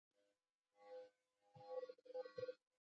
موږ به تل د نوي په لټولو کې یو.